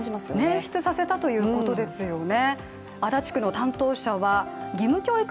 捻出させたということですよね。